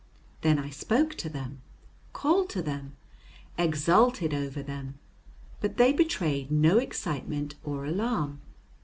Then I spoke to them, called to them, exulted over them, but they betrayed no excitement or alarm.